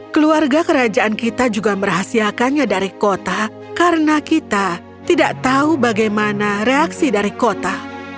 keluarga kerajaan kita juga merahasiakannya dari kota karena kita tidak tahu bagaimana reaksi dari kota